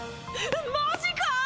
マジか！